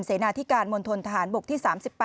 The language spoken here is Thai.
เสนาธิการมณฑนทหารบกที่๓๘